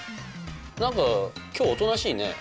何か今日おとなしいね？